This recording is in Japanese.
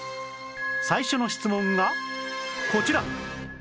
最初の質問がこちら